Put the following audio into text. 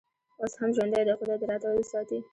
اوس هم ژوندی دی، خدای دې راته وساتي.